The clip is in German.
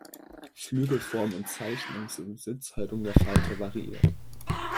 Flügelform und -zeichnung sowie Sitzhaltung der Falter variiert.